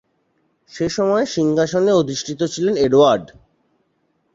সেসময়ে সিংহাসনে অধিষ্ঠিত ছিলেন এডওয়ার্ড।